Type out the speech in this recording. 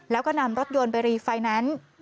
แล้วก็นำรถยนต์ไปรีไฟแนนซ์